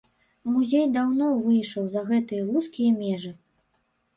Музей даўно выйшаў за гэтыя вузкія межы.